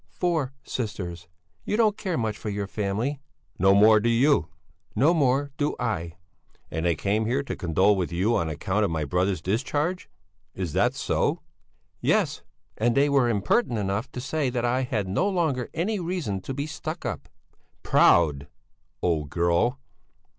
"Four sisters! You don't care much for your family!" "No more do you!" "No more do I!" "And they came here to condole with you on account of my brother's discharge? Is that so?" "Yes! And they were impertinent enough to say that I had no longer any reason to be stuck up...." "Proud, old girl!"